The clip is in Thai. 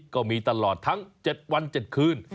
ก็มีตลอดทั้ง๗วัน๗คืน